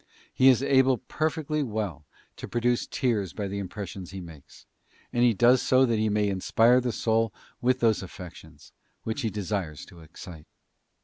He is able perfectly well to produce tears by the impressions he makes, and he does so that he may inspire the soul with those affections, which he ' desires to excite.